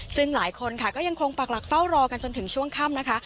ซึ่งหลายคนค่ะก็ยังคงปักหลักเฝ้ารอกันจนถึงช่วงค่ำนะคะ